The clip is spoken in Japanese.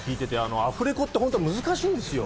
アフレコって本当に難しいんですよ。